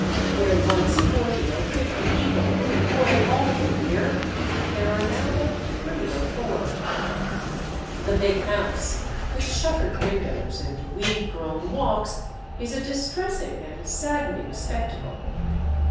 Where once forty or fifty people were employed all the year, there are now but three or four. The big house with shuttered windows and weed grown walks, is a distressing and saddening spectacle.